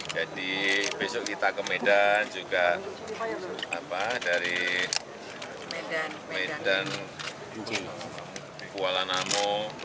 jadi besok kita ke medan juga dari medan kuala namo